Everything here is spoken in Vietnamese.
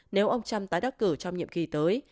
nếu ông trump tái đắc cử trong nhiệm kỳ tới